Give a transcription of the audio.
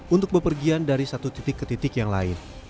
untuk bepergian dari satu titik ke titik yang lain